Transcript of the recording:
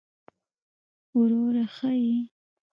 وروره ښه يې!